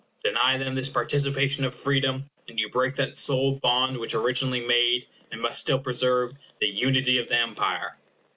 Deny them this participation of freedom, and you break that sole bond which originally made, and must still preserve, the unity of the Empire.